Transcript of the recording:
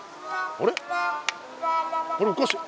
あれおかしい。